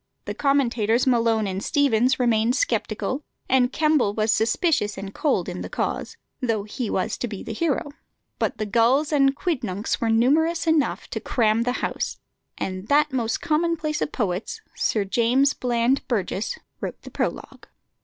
The commentators Malone and Steevens remained sceptical, and Kemble was suspicious and cold in the cause, though he was to be the hero; but the gulls and quidnuncs were numerous enough to cram the house, and that most commonplace of poets, Sir James Bland Burges, wrote the prologue.